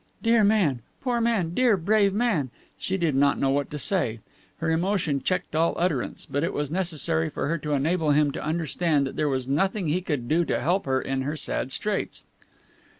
"Dear man! Poor man! Dear brave man!" She did not know what to say. Her emotion checked all utterance. But it was necessary for her to enable him to understand that there was nothing he could do to help her in her sad straits.